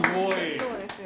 そうですよ。